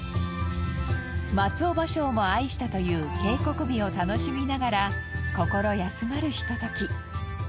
松尾芭蕉も愛したという渓谷美を楽しみながら心休まるひととき。